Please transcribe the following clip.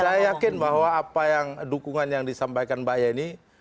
saya yakin bahwa apa yang dukungan yang disampaikan mbak yeni